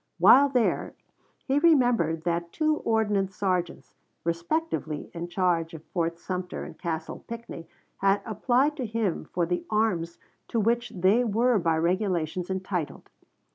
While there he remembered that two ordnance sergeants, respectively in charge of Fort Sumter and Castle Pinckney, had applied to him for the arms to which they were by regulations entitled.